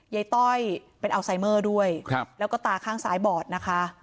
ต้อยเป็นอัลไซเมอร์ด้วยแล้วก็ตาข้างซ้ายบอดนะคะ